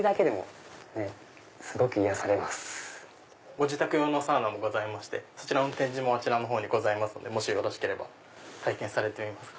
ご自宅用のサウナもございまして展示もございますのでもしよろしければ体験されてみますか？